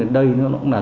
đến đây nó cũng là